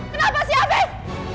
kenapa sih afif